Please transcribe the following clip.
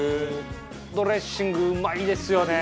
ドレッシングうまいですよね。